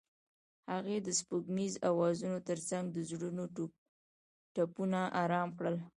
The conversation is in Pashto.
هغې د سپوږمیز اوازونو ترڅنګ د زړونو ټپونه آرام کړل.